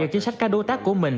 do chính sách các đối tác của mình